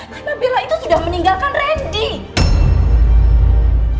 karena bella itu sudah meninggalkan randy